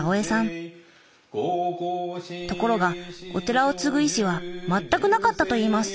ところがお寺を継ぐ意志は全くなかったといいます。